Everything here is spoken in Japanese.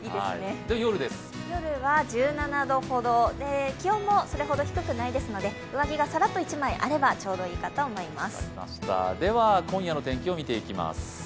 夜は１７度ほどで気温もそれほど低くないですので上着がさらっと１枚あればちょうどいいかと思います。